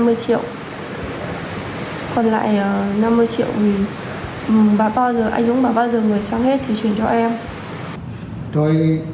còn lại năm mươi triệu thì anh dũng bảo bao giờ người sang hết thì truyền cho em